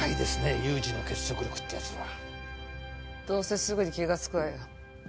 有事の結束力ってやつはどうせすぐに気がつくわよ